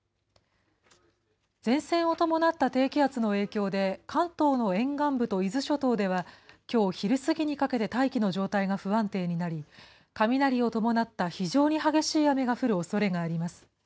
前線を伴った低気圧の影響で、関東の沿岸部と伊豆諸島ではきょう昼過ぎにかけて大気の状態が不安定になり、雷を伴った非常に激しい雨が降るおそれがあります。